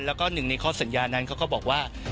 และ๑ในข้อสัญญานั้นเขาก็บอกว่า